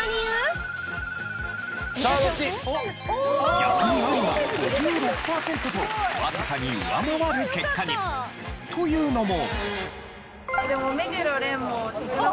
逆にアリが５６パーセントとわずかに上回る結果に。というのも。